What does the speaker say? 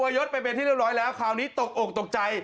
ยศไปเป็นที่เรียบร้อยแล้วคราวนี้ตกอกตกใจ